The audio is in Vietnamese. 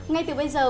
ngay từ bây giờ